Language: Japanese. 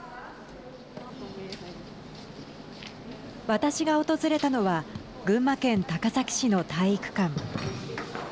私が訪れたのは群馬県高崎市の体育館。